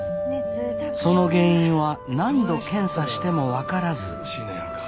その原因は何度検査しても分からず。